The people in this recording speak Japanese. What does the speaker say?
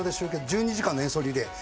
１２時間の演奏リレー。